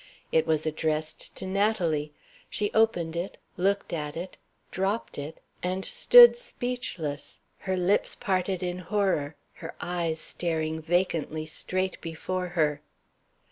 It was addressed to Natalie. She opened it looked at it dropped it and stood speechless; her lips parted in horror, her eyes staring vacantly straight before her.